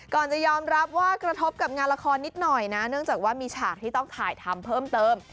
จะยอมรับว่ากระทบกับงานละครนิดหน่อยนะเนื่องจากว่ามีฉากที่ต้องถ่ายทำเพิ่มเติม